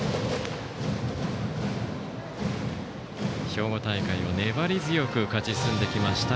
兵庫大会を粘り強く勝ち進んできました